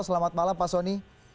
selamat malam pak sonny